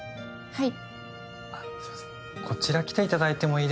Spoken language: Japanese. はい。